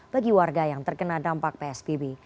bagi warga yang terkena dampak psbb